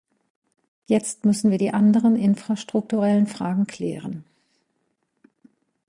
Jetzt müssen wir die anderen infrastrukturellen Fragen klären.